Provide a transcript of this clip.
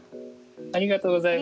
ありがとうございます。